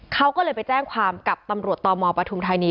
เขาก็เลยไปแจ้งความกับตำรวจตมปฐุมธานี